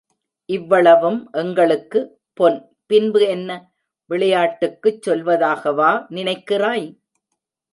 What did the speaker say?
இவ்வளவும் எங்களுக்கு......... பொன் பின்பு என்ன, விளையாட்டுக்குச் சொல்வதாகவா நினைக்கிறாய்?